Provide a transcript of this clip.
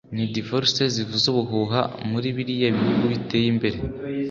ni ‘Divorce’ zivuza ubuhuha muri biriya bihugu biteye imbere